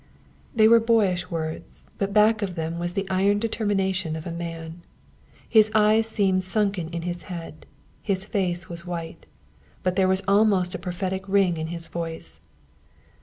They were boyish words, but back of them was the iron determination of a man. His eyes seemed sunken in his head. His face was white. But there was almost a prophetic ring in his voice.